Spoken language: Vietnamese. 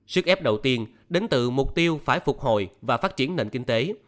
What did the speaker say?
sức ép đầu tiên đến từ mục tiêu phải phục hồi và phát triển nền kinh tế